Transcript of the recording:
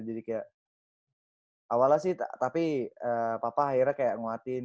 jadi kayak awalnya sih tapi papa akhirnya kayak nguatin